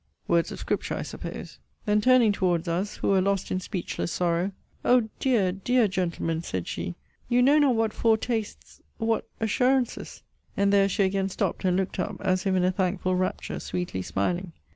Words of scripture, I suppose. Then turning towards us, who were lost in speechless sorrow O dear, dear gentlemen, said she, you know not what foretastes what assurances And there she again stopped, and looked up, as if in a thankful rapture, sweetly smiling.